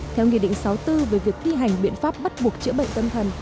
theo nghị định sáu mươi bốn về việc thi hành biện pháp bắt buộc chữa bệnh tâm thần